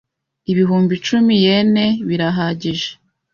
Ibihumbi icumi yen birahagije?